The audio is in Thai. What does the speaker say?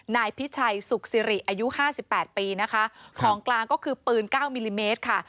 นายพิชัยสุขสิริอายุห้าสิบแปดปีนะคะของกลางก็คือปืน๙มิลลิเมตรค่ะ